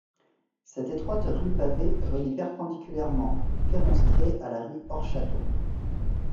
Cette étroite rue pavée relie perpendiculairement Féronstrée à la rue Hors-Château.